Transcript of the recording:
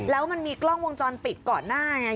แล้วมันมีกล้องวงจรปิดก่อนหน้าไง